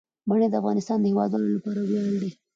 منی د افغانستان د هیوادوالو لپاره ویاړ دی.